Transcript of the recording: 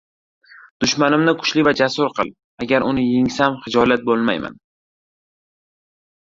• Dushmanimni kuchli va jasur qil. Agar uni yengsam xijolat bo‘lmayman.